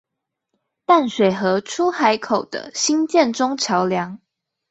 淡水河出海口的興建中橋梁